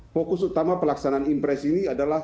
fokus utama pelaksanaan impres ini adalah